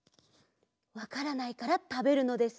わからないからたべるのです。